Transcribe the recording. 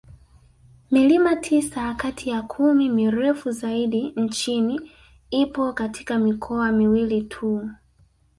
Milima tisa kati ya kumi mirefu zaidi nchini ipo katika mikoa miwili tu